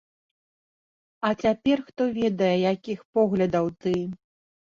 А цяпер хто ведае, якіх поглядаў ты?